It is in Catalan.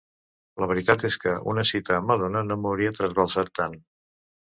La veritat és que una cita amb Madonna no m'hauria trasbalsat tant.